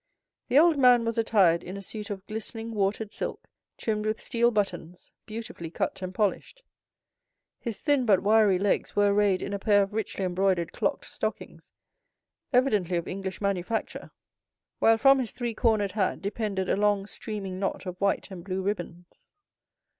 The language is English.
The old man was attired in a suit of glistening watered silk, trimmed with steel buttons, beautifully cut and polished. His thin but wiry legs were arrayed in a pair of richly embroidered clocked stockings, evidently of English manufacture, while from his three cornered hat depended a long streaming knot of white and blue ribbons.